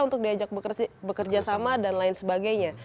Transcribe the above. untuk diajak bekerja sama dan lain sebagainya